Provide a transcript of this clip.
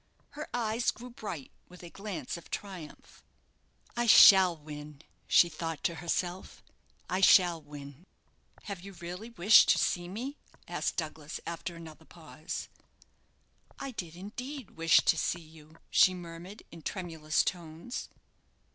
Her eyes grew bright with a glance of triumph. "I shall win," she thought to herself; "I shall win." "Have you really wished to see me?" asked Douglas, after another pause. "I did indeed wish to see you," she murmured, in tremulous tones.